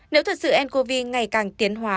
nếu thật sự ncov ngày càng tiến hóa